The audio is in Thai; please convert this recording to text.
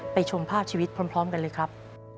ชมภาพชีวิตพร้อมกันเลยครับ